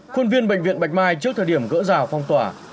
khuôn viên bệnh viện bạch mai trước thời điểm gỡ rào phong tỏa